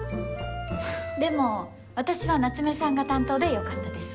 でも私は夏目さんが担当でよかったです。